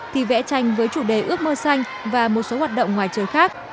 thì vẽ tranh với chủ đề ước mơ xanh và một số hoạt động ngoài trời khác